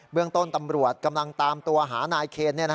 เรื่องต้นตำรวจกำลังตามตัวหานายเคน